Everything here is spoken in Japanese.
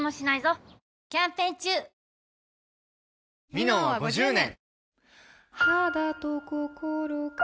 「ミノン」は５０年！